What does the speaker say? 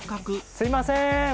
すいません！